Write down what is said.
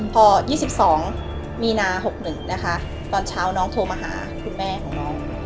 พอ๒๒มีนา๖๑นะคะตอนเช้าน้องโทรมาหาคุณแม่ของน้อง